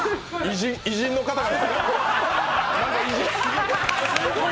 偉人の方が。